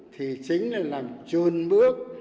thì chính là làm chuồn bước